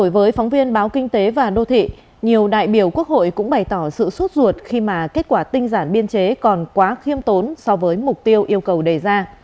với phóng viên báo kinh tế và đô thị nhiều đại biểu quốc hội cũng bày tỏ sự suốt ruột khi mà kết quả tinh giản biên chế còn quá khiêm tốn so với mục tiêu yêu cầu đề ra